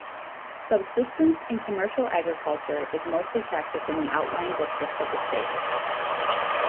Subsistence and commercial agriculture is mostly practiced in the outlying districts of the state.